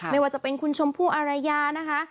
ไม่ว่าจะเป็นคุณชมพู่อารยานะคะ